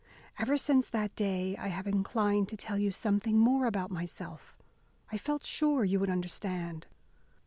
"Ever since that day I have inclined to tell you something more about myself. I felt sure you would understand.